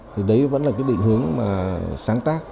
thì đấy vẫn là cái định hướng mà sáng tác